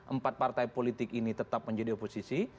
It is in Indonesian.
empat partai politik ini tetap menjadi oposisi